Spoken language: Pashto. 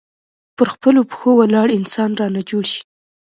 پر خپلو پښو ولاړ انسان رانه جوړ شي.